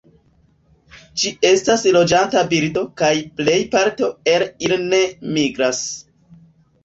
Ĝi estas loĝanta birdo kaj plej parto el ili ne migras.